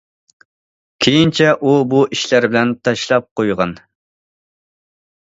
كېيىنچە ئۇ- بۇ ئىشلار بىلەن تاشلاپ قويغان.